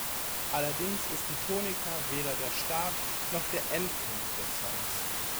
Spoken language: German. Allerdings ist die Tonika weder der Start- noch der Endpunkt des Songs.